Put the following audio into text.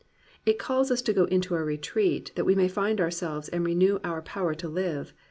It calls us to go into a retreat, that we may find ourselves and renew our power to live.